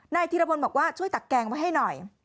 ธิรพลบอกว่าช่วยตักแกงไว้ให้หน่อย